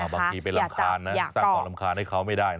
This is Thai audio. บางทีเป็นรำคาญก็สร้างเรื่องรำคาญให้เขาไม่ได้